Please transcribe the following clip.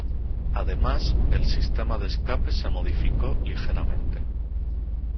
Además, el sistema de escape se modificó ligeramente.